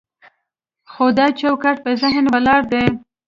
خو دا چوکاټ په ذهن ولاړ دی.